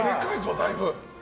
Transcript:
だいぶ。